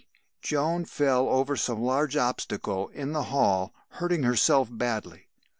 Joan fell over some large obstacle in the hall, hurting herself badly.